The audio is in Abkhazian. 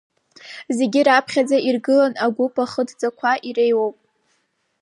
Зегь раԥхьаӡа иргыланы агәыԥ ахыдҵақәа иреиуоуп…